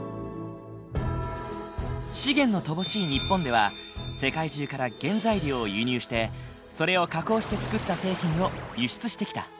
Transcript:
資源の乏しい日本では世界中から原材料を輸入してそれを加工して作った製品を輸出してきた。